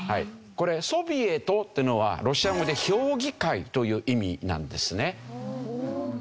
これ「ソビエト」っていうのはロシア語で評議会という意味なんですね。